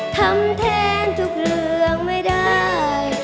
ทำแทนทุกเรื่องไม่ได้